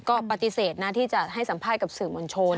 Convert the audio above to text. ก็ปฏิเสธนะที่จะให้สัมภาษณ์กับสื่อมวลชน